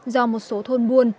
do một số thôn buôn